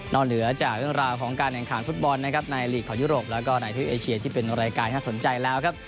เหนือจากเรื่องราวของการแข่งขันฟุตบอลนะครับในลีกของยุโรปแล้วก็ในทวิปเอเชียที่เป็นรายการที่สนใจแล้วครับ